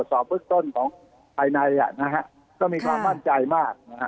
สอบพฤษต้นของภายในก็มีความมั่นใจมาก